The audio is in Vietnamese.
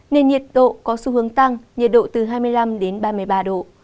nên nhiệt độ có xu hướng tăng nhiệt độ từ hai mươi năm đến ba mươi ba độ